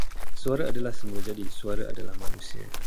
Suara adalah semulajadi, suara adalah manusia.